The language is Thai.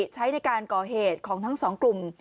ใช้ในการก่อเหตุของทั้งสองกลุ่ม